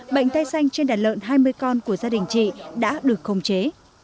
bệnh tay xanh trên đàn lợn hai mươi con của gia đình chị đã được khống chế